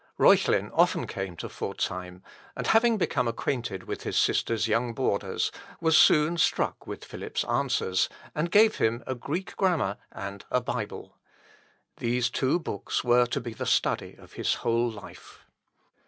Reuchlin often came to Pforzheim, and having become acquainted with his sister's young boarders, was soon struck with Philip's answers, and gave him a Greek grammar and a Bible. These two books were to be the study of his whole life.